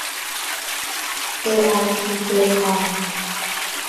เอแอลที เทเลคอม